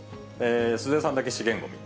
鈴江さんだけ資源ごみ。